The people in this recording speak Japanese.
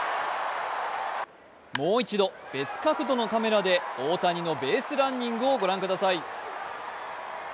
もう一度、別角度のカメラで大谷のベースランニングをご覧ください。